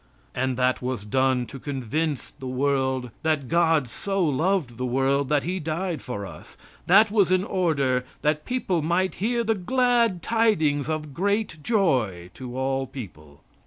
And that was done to convince the world that God so loved the world that He died for us. That was in order that people might hear the glad tidings of great joy to all people.